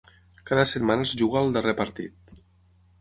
Cada setmana es juga el 'darrer partit'.